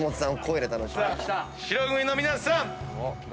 白組の皆さん。